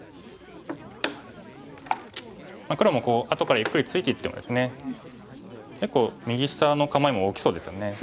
黒もこう後からゆっくりついていってもですね結構右下の構えも大きそうですよね。